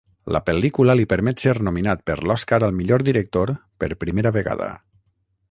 La pel·lícula li permet ser nominat per l'Oscar al millor director per primera vegada.